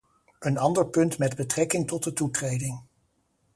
Een ander punt met betrekking tot de toetreding.